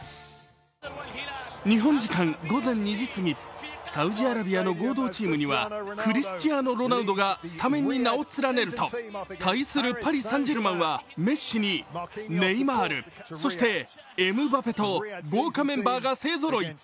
日本時間午前２時すぎ、サウジアラビアの合同チームにはクリスチアーノ・ロナウドがスタメンに名を連ねると、対するパリ・サン＝ジェルマンはメッシに、ネイマール、そしてエムバペと豪華メンバーが勢ぞろい。